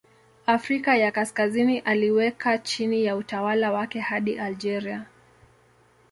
Afrika ya Kaskazini aliweka chini ya utawala wake hadi Algeria.